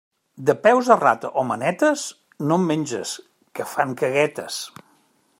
De peus de rata o manetes, no en menges, que fan caguetes.